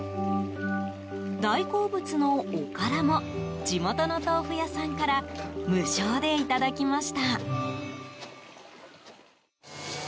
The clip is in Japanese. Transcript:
大好物の、おからも地元の豆腐屋さんから無償でいただきました。